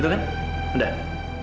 itu kan udah